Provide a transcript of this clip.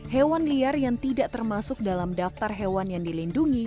hewan liar yang tidak termasuk dalam daftar hewan yang dilindungi